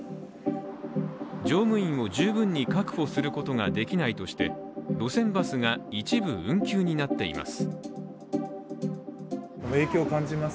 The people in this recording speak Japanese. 乗務員を十分に確保することができないとして路線バスが一部運休になっています。